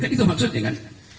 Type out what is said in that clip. itu maksudnya kan